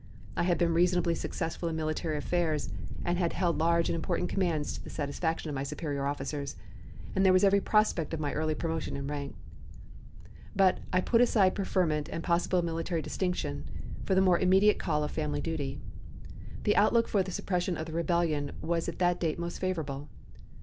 I had been reasonably successful in military affairs, and had held large and important commands to the satisfaction of my superior officers, and there was every prospect of my early promotion in rank. But I put aside preferment and possible military distinction for the more immediate call of family duty. The outlook for the suppression of the rebellion was at that date most favorable.